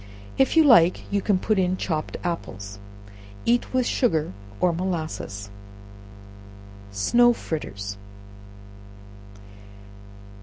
If you like, you can put in chopped apples. Eat with sugar or molasses. Snow Fritters.